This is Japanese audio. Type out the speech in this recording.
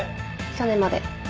去年まで